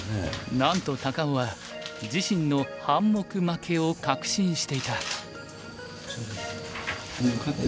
なんと高尾は自身の半目負けを確信していた。